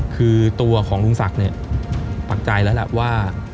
คือตัวของลุงศักดิ์เนี่ยปักใจแล้วแหละว่า